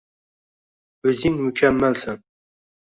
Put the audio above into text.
O‘zing mukammalsan.